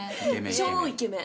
超イケメン！